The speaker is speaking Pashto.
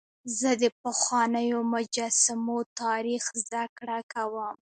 زه د پخوانیو مجسمو تاریخ زدهکړه کوم.